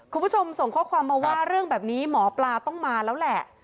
คุณผู้ชมส่งข้อความมาว่าเรื่องแบบนี้หมอปลาต้องมาแล้วแหละ